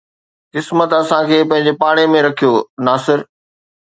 قسمت اسان کي پنهنجي پاڙي ۾ رکيو ناصر